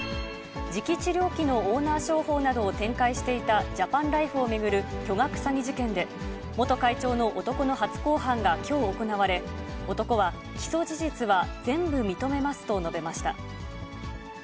磁気治療器のオーナー商法などを展開していたジャパンライフを巡る巨額詐欺事件で、元会長の男の初公判がきょう行われ、男は、起訴事実は全部認めますと述べました。